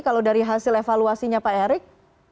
kalau dari hasil evaluasinya pak erick